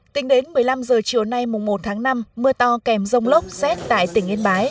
tính đến một mươi năm h chiều nay mùa một tháng năm mưa to kèm rông lốc xét tại tỉnh yên bái